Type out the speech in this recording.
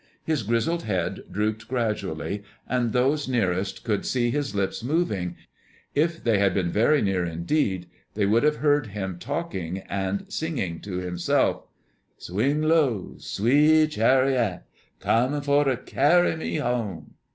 His grizzled head drooped gradually, and those nearest could see his lips moving. If they had been very near indeed, they would have heard him talking and singing to himself: "'Swing low, sweet chari o t, Comin' fer to carry me home!